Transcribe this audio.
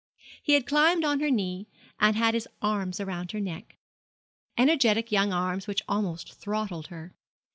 He had climbed on her knee, and had his arms round her neck energetic young arms which almost throttled her.